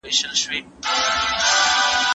که حضوري ښوونځی خلاص وي، نو عملي فعالیتونه اسانه وي.